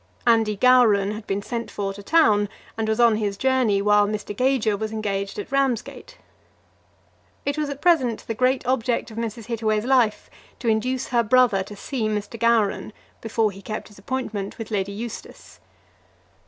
Andy Gowran had been sent for to town, and was on his journey while Mr. Gager was engaged at Ramsgate. It was at present the great object of Mrs. Hittaway's life to induce her brother to see Mr. Gowran before he kept his appointment with Lady Eustace.